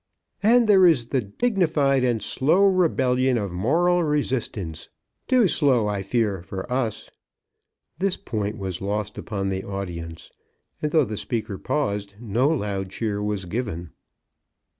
"And there is the dignified and slow rebellion of moral resistance; too slow I fear for us." This point was lost upon the audience, and though the speaker paused, no loud cheer was given.